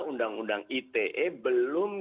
undang undang ite belum